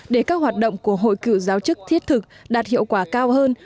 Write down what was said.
để các hoạt động của hội cựu giáo chức thiết thực đạt hiệu quả cao hơn